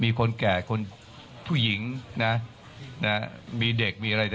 มีคนแก่คนผู้หญิงนะมีเด็กมีอะไร